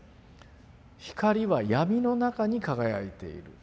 「光はやみの中に輝いている」。